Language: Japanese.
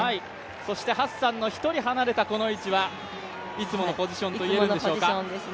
そしてハッサンの１人離れたこの位置はいつものポジションといえるんでしょうか。